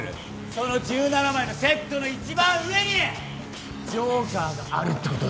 その１７枚のセットの一番上にジョーカーがあるってことを突き止めた。